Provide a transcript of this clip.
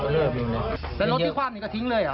แล้วรถที่คว่ำนี่ก็ทิ้งเลยเหรอ